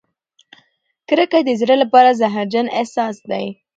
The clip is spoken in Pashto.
کرکه د زړه لپاره زهرجن احساس دی.